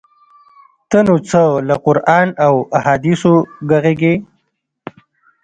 ته نو څه له قران او احادیثو ږغیږې؟!